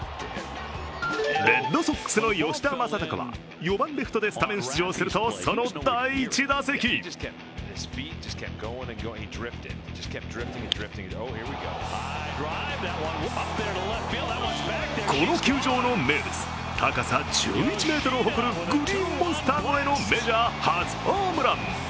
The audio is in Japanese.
レッドソックスの吉田正尚は４番・レフトで出場するとその第１打席この球場の名物、高さ１１ｍを誇るグリーンモンスター越えのメジャー初ホームラン。